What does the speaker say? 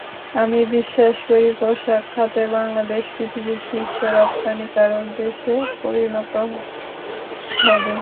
আমি বিশ্বাস করি, পোশাক খাতে বাংলাদেশ পৃথিবীর শীর্ষ রপ্তানিকারক দেশে পরিণত হবে।